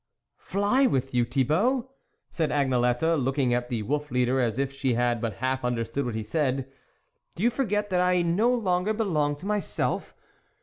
"Fly with you, Thibault!" said Agnelette, looking at the wolf leader as if she had but half understood what he said, " do you forget that I no longer be long to myself